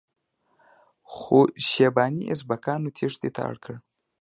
خو شیباني ازبکانو تیښتې ته اړ کړ.